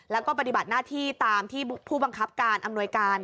แล้วก็ปฏิบัติหน้าที่ตามที่ผู้บังคับการอำนวยการ